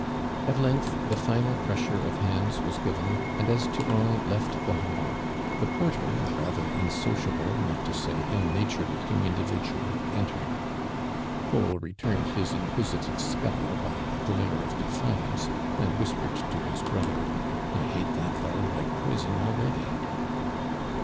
At length the (inal pressure of hands was given, and as Durand left tiio h dl , the porter, a ratlier unsueiubh', not to .>.ay ill nature<l looking imiividual, entered. Paul retmned his in<piisitive scowl by a glare of <leliance, ami whisjx.fcd to his lirother: "I hate that fellow like poison already